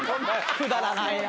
くだらないな。